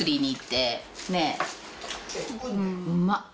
うまっ。